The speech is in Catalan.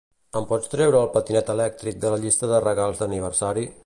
Em pots treure el patinet elèctric de la llista de regals d'aniversari?